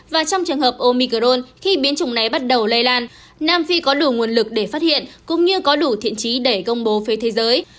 và trong trường hợp omicron khi biến chủng này bắt đầu lây lan nam phi có đủ nguồn lực để phát hiện cũng như có đủ thiện trí để công bố phế thế giới